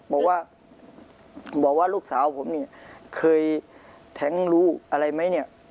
บอกว่าลูกสาวผมเนี่ยเคยแท้งรู้อะไรไหมเนี่ย